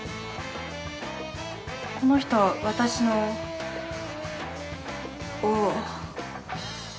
この人は私のお。